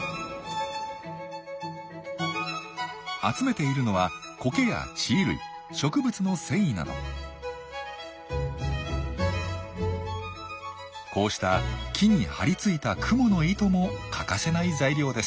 集めているのはこうした木に張り付いたクモの糸も欠かせない材料です。